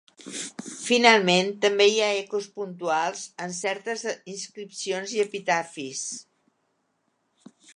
Finalment també hi ha ecos puntuals en certes inscripcions i epitafis.